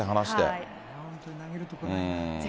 本当に投げるとこないな。